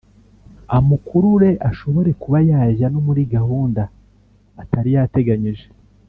amukurure ashobore kuba yajya no muri gahunda atari yateganyije